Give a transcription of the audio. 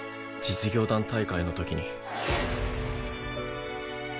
実業団大会の時に。